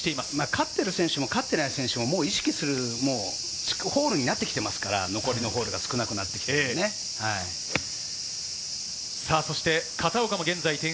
勝ってる選手も勝ってない選手も、もう意識するホールになってきますから、残りのホールが少なくなってきて、片岡も現在−１０。